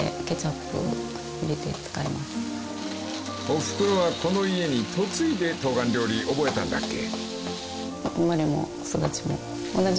［おふくろはこの家に嫁いでとうがん料理覚えたんだっけ？］